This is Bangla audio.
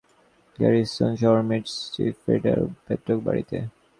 তিনি পালিয়ে আসেন জার্মানির গ্যারিসন শহর মেটজ-স্থিত ফ্রেডার পৈতৃক বাড়িতে।